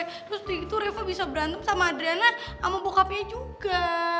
terus tuh itu reva bisa berantem sama adriana sama bokapnya juga